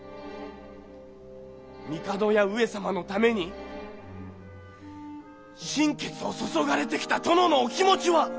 帝や上様のために心血を注がれてきた殿のお気持ちは！？